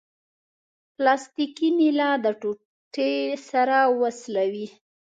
پلاستیکي میله د ټوټې سره وسولوئ.